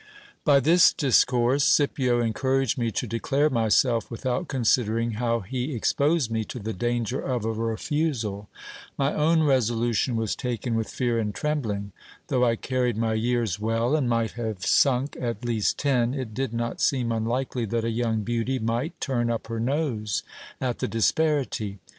By this discourse, Scipio encouraged me to declare myself, without considering how he exposed me to the danger of a refusal. My own resolution was taken A DOUBLE MARRIAGE AGREED ON. with fear and trembling. Though I carried my years well, and might have sunk at least ten, it did not seem unlikely that a young beauty might turn up her nose at the disparity.